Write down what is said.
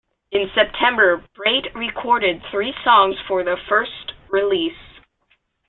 In September, Braid recorded three songs for their first release.